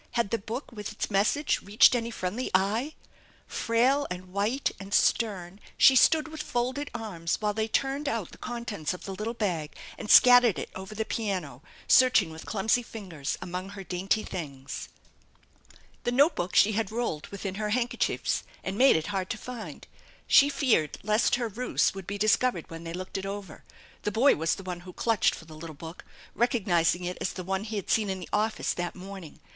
Had the book with its message reached any friendly eye? Frail and white and stern she stood with folded arms while they turned out the contents of the little bag and scattered it over the piano, searching 1 with clumsy finger* among her dainty things. THE ENCHANTED BARN 277 The note book she had rolled within her handkerchiefs and made it hard to find. She feared lest her ruse would be discovered when they looked it over. The boy was the one who clutched for the little book, recognizing it as the one he had seen in the office that morning.